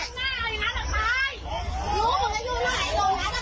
ตายแล้ว